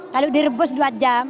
lalu direbus dua jam